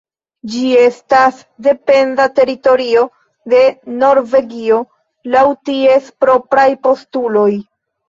Ĝi estas dependa teritorio de Norvegio laŭ ties propraj postuloj.